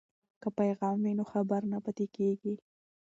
که پیغام وي نو خبر نه پاتې کیږي.